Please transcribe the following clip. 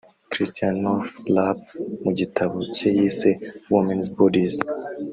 Christiane Northrup mu gitabo cye yise Women’s Bodies